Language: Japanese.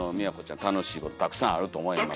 楽しいことたくさんあると思いますので。